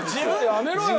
やめろよ！